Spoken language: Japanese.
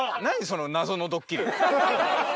その謎のドッキリ。